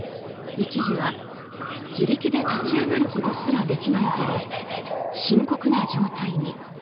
一時は自力で立ち上がることすらできないほど深刻な状態に。